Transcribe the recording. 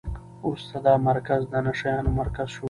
وروسته دا مرکز د نشه یانو مرکز شو.